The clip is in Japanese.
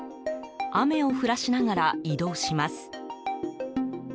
雨を降らしながら移動します。